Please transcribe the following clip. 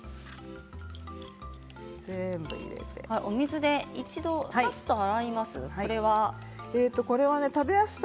お水で一度さっと洗うんですね。